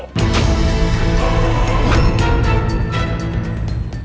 jalan jalan men